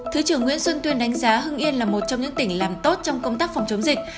thứ trưởng nguyễn xuân tuyên đánh giá hưng yên là một trong những tỉnh làm tốt trong công tác phòng chống dịch